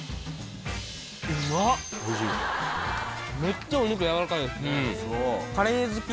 めっちゃお肉軟らかいですね。